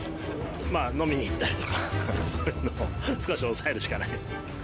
まあ、飲みに行ったりとか、そういうのを少し抑えるしかないですね。